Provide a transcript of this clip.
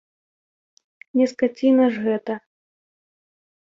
Не скаціна ж гэта.